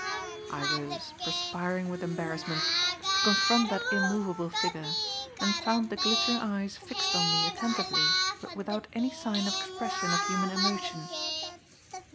I rose, perspiring with embarrassment, to confront that immovable figure, and found the glittering eyes fixed on me attentively but without any sign of expression of human emotion.